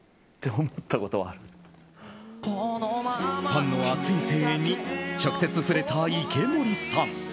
ファンの熱い声援に直接触れた池森さん。